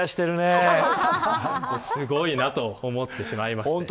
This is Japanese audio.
すごいなと思ってしまいまして。